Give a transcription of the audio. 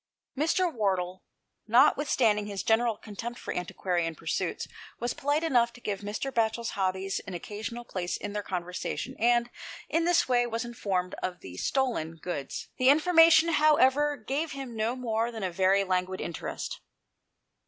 Mr. Wardle, notwithstanding his general contempt for antiquarian pursuits, was polite enough to give Mr. Batchel's hobbies an occasional place in their conversation, and in this way was informed of the " stolen " goods. 149 GHOST TALES. The information, however, gave him no more than a very languid interest.